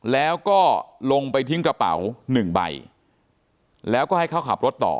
แล้วก็ลงไปทิ้งกระเป๋าหนึ่งใบแล้วก็ให้เขาขับรถต่อ